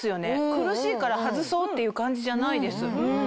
苦しいから外そうっていう感じじゃないです。